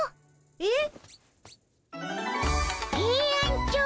えっ？